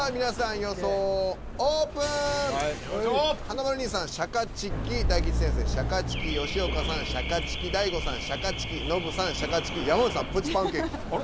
華丸兄さん「シャカチキ」大吉先生「シャカチキ」吉岡さん「シャカチキ」大悟さん「シャカチキ」ノブさん「シャカチキ」山内さん「プチパンケーキ」。